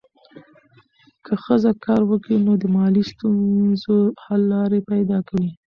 که ښځه کار وکړي، نو د مالي ستونزو حل لارې پیدا کوي.